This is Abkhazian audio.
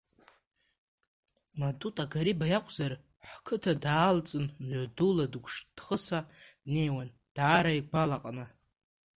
Матута Гариба иакәзар, ҳқыҭа даалҵын, мҩадула дықәшьҭхысаа днеиуан, даара игәалаҟаны.